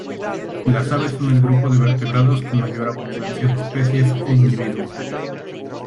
Las aves son el grupo de vertebrados con mayor abundancia de especies e individuos.